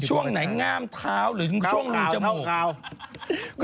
ช่วงไหนง่ามเท้าหรือช่วงหนึ่งจมูก